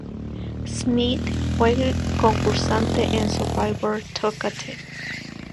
Smith fue concursante en "Survivor: Tocantins.